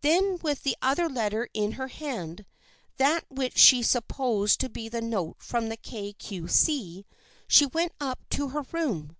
Then with the other letter in her hand, that which she supposed to be the note from the Kay Cue See, she went up to her room.